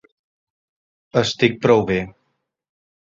Estic prou bé.